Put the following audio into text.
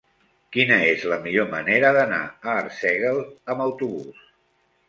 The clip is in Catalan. Quina és la millor manera d'anar a Arsèguel amb autobús?